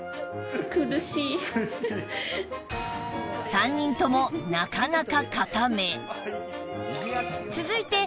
３人ともなかなか硬め